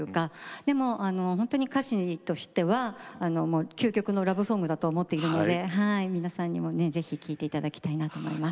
でもほんとに歌詞としては究極のラブソングだと思っているので皆さんにもねぜひ聴いて頂きたいなと思います。